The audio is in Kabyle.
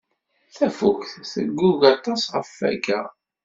Tafukt teggug aṭas ɣef Wakal.